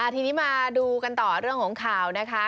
ทีนี้มาดูกันต่อเรื่องของข่าวนะคะ